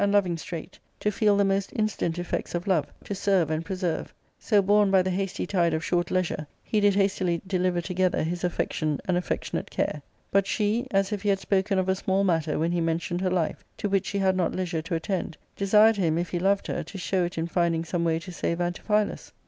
— Book IL loving straight, to feel the most incident effects of love, to serve and preserve ; so, borne by the hasty tide of short leisure, he did hastily deliver together his affection and affec tionate care. But she, as if he had spoken of a small matter when he mentioned her life, to which she had not leisure to attend, desired him, if he loved her, to show it in finding some way to save Antiphilus.